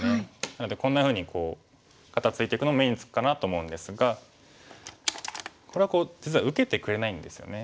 なのでこんなふうに肩ツイていくのが目につくかなと思うんですがこれ実は受けてくれないんですよね。